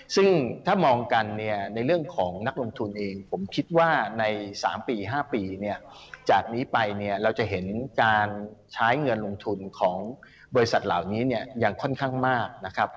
ซึ่งถ้ามองกันในเรื่องของนักลงทุนเองผมคิดว่าใน๓๕ปีจากนี้ไปเราจะเห็นการใช้เงินลงทุนของบริษัทเหล่านี้ยังค่อนข้างมาก